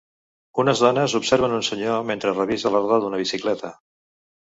Unes dones observen un senyor mentre revisa la roda d'una bicicleta.